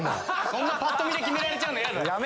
そんなぱっと見で決められちゃうのやだな。